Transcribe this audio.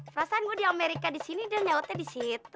perasaan gua di amerika di sini dan nyewotnya di situ